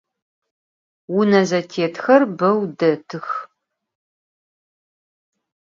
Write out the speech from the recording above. Vune zetêtxer beu detıx.